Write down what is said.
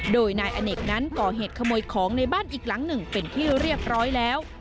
โดยนายอเนกนั้นก่อเหตุขโมยของในบ้านอีกหลังหนึ่งเป็นที่เรียบร้อยแล้ว